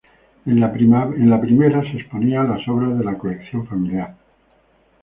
En la primera se exponía las obras de la colección familiar.